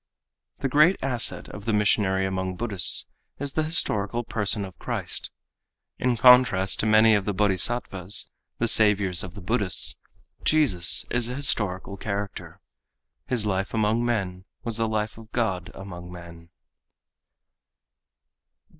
_—The great asset of the missionary among Buddhists is the historical person of Christ. In contrast to many of the Bodhisattvas, the saviours of the Buddhists, Jesus is a historical character. His life among men was the life of God among men.